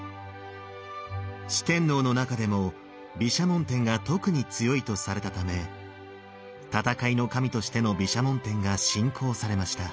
四天王の中でも毘沙門天が特に強いとされたため戦いの神としての毘沙門天が信仰されました。